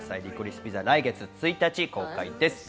『リコリス・ピザ』来月１日公開です。